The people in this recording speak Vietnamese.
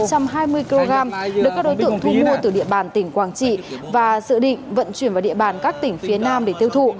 được các đối tượng thu mua từ địa bàn tỉnh quảng trị và dự định vận chuyển vào địa bàn các tỉnh phía nam để tiêu thụ